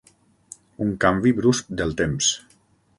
Un canvi brusc del temps.